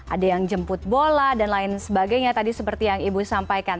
ada yang jemput bola dan lain sebagainya tadi seperti yang ibu sampaikan